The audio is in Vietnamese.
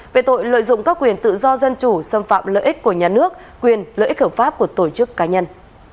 về tội lợi dụng các quyền tự do dân chủ xâm phạm lợi ích của nhà nước quyền lợi ích hợp pháp của tổ chức cá nhân